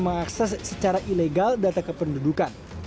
mengakses secara ilegal data kependudukan